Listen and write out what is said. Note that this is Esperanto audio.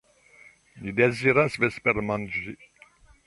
Ni deziras vespermanĝi.